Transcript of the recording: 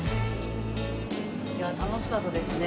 いやあ楽しかったですね。